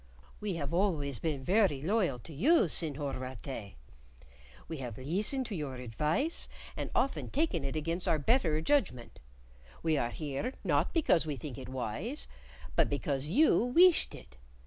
We have been always very loyal to you, Senhor Rattray. We have leestened to your advice, and often taken it against our better judgment. We are here, not because we think it wise, but because you weeshed it.